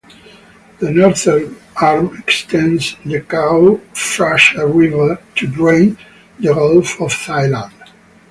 The northern arm extends the Chao Phraya River to drain the Gulf of Thailand.